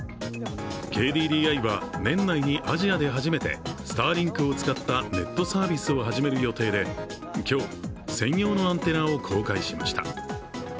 ＫＤＤＩは年内にアジアで初めてスターリンクを使ったネットサービスを始める予定で、今日専用のアンテナを公開しました。